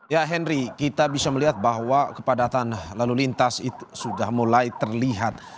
ya henry kita bisa melihat bahwa kepadatan lalu lintas itu sudah mulai terlihat